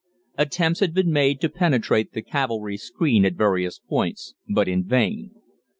Attempts had been made to penetrate the cavalry screen at various points, but in vain.